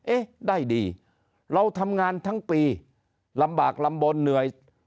เอ๊ะได้ดีเราทำงานทั้งปีลำบากลำบลเหนื่อย